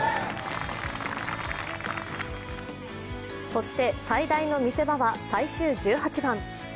そして最大の見せ場は最終１８番。